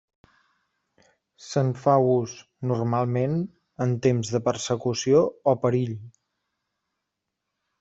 Se'n fa ús, normalment, en temps de persecució o perill.